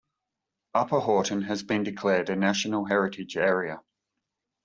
Upper Houghton has been declared a National Heritage Area.